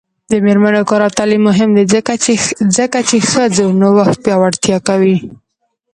د میرمنو کار او تعلیم مهم دی ځکه چې ښځو نوښت پیاوړتیا کوي.